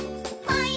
はい。